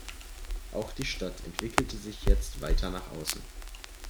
Auch die Stadt entwickelte sich jetzt weiter nach außen.